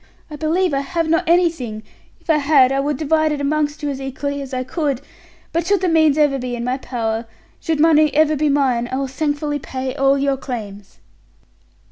I believe I have not anything; if I had, I would divide it amongst you as equally as I could. But, should the means ever be in my power should money ever be mine, I will thankfully pay all your claims."